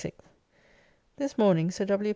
This morning Sir W.